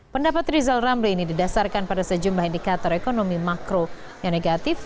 pendapat rizal ramli ini didasarkan pada sejumlah indikator ekonomi makro yang negatif